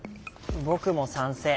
僕も賛成。